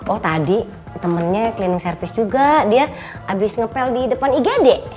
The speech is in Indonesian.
oh tadi temennya cleaning service juga dia habis ngepel di depan igd